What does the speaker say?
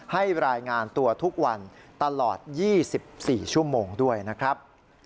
ให้รายงานตัวทุกวันตลอด๒๔ชั่วโมงด้วยนะครับ